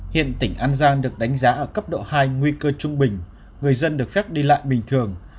hiện tỉnh an giang được đánh giá ở cấp độ hai nguy cơ trung bình người dân được phép đi lại bình thường